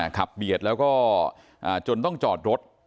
เบียดแล้วก็จนต้องจอดรถ